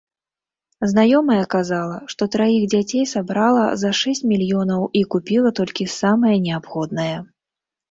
Знаёмая казала, што траіх дзяцей сабрала за шэсць мільёнаў і купіла толькі самае неабходнае.